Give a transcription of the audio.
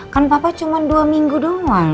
kan papa cuma dua minggu doang